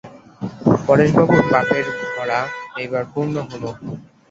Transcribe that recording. পরেশবাবুর পাপের ভরা এইবার পূর্ণ হল।